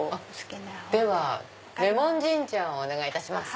ではレモンジンジャーをお願いいたします。